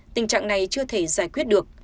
tình trạng này chưa thể giải quyết được